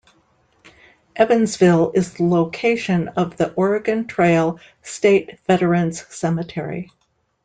Evansville is the location of the Oregon Trail State Veterans Cemetery.